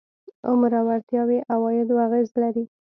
عمر او وړتیاوې عوایدو اغېز لري.